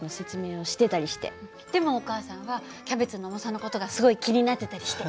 でもお母さんはキャベツの重さの事がすごい気になってたりして。